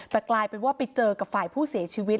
แต่กลายเป็นว่าไปเจอกับฝ่ายผู้เสียชีวิต